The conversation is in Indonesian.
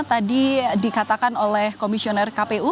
tadi dikatakan oleh komisioner kpu